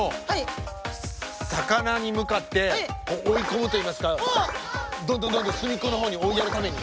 魚に向かって追い込むといいますかどんどんどんどん隅っこのほうに追いやるために。